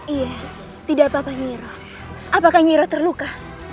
iya tidak apa apa nyiiroh apakah nyiiroh terluka